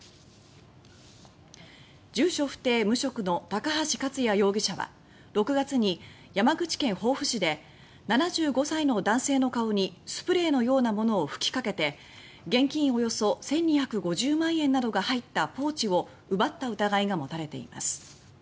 住所不定・無職の高橋勝也容疑者は６月に山口県防府市で７５歳の男性の顔にスプレーのようなものを吹きかけて現金およそ１２５０万円などが入ったポーチを奪った疑いが持たれています。